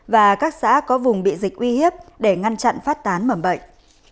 và các xã có vùng bị dịch uy hiếp để ngăn chặn phát tán mầm bệnh